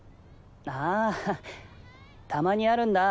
ああたまにあるんだ